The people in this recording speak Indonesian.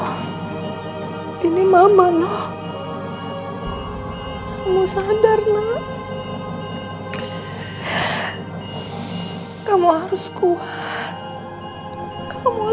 tapi ini tema rahasia fires masa yang terus berjalan